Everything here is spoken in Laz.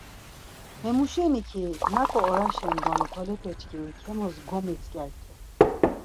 Hemu şeni ki naǩo oraşen doni tolepeçkimis hemuk gomitzǩert̆u.